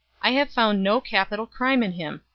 I have found no capital crime in him.